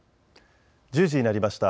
１０時になりました。